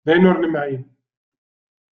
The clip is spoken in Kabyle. D ayen ur nemεin.